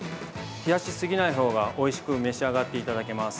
冷やしすぎないほうが、おいしく召し上がっていただけます。